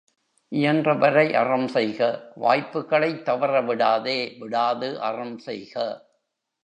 இயன்றவரை அறம் செய்க வாய்ப்புகளைத் தவற விடாதே விடாது அறம் செய்க.